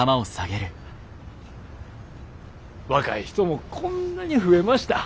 若い人もこんなに増えました。